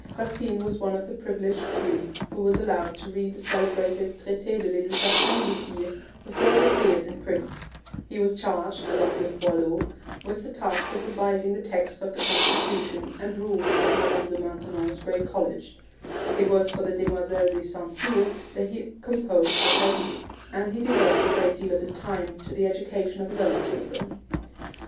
Racine was one of the privileged few who was allowed to read the celebrated Traite de l'Education des Filles before it appeared in print; he was charged, along with Boileau, with the task of revising the text of the constitution and rules of Madame de Maintenon's great college; it was for the Demoiselles de St. Cyr that he composed Athalie; and he devoted a great deal of his time to the education of his own children.